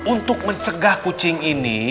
untuk mencegah kucing ini